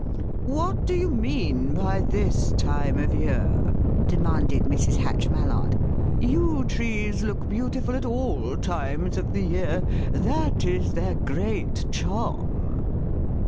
"What do you mean by this time of year?" demanded Mrs. Hatch Mallard. "Yew trees look beautiful at all times of the year. That is their great charm."